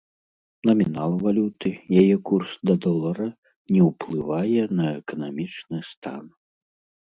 Намінал валюты, яе курс да долара не ўплывае на эканамічны стан.